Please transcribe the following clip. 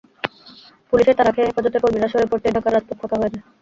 পুলিশের তাড়া খেয়ে হেফাজতের কর্মীরা সরে পড়তেই ঢাকার রাজপথ ফাঁকা হয়ে যায়।